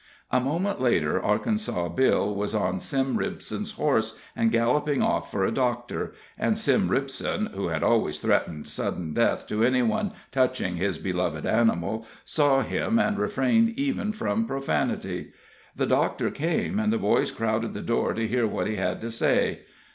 A moment later Arkansas Bill was on Sim Ripson's horse, and galloping off for a doctor, and Sim Ripson, who had always threatened sudden death to any one touching his beloved animal, saw him, and refrained even from profanity. The doctor came, and the boys crowded the door to hear what he had to say.